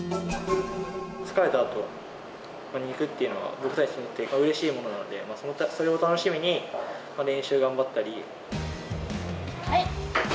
疲れたあとの肉っていうのは、僕たちにとってうれしいものなので、それを楽しみに、はい。